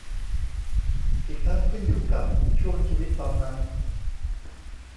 อีกทั้งขึ้นอยู่กับช่วงชีวิตตอนนั้น